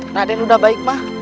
tegatu raden sudah baik mak